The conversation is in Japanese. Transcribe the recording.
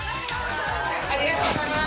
ありがとうございます。